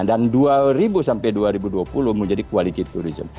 dan dua ribu sampai dua ribu dua puluh menjadi quality tourism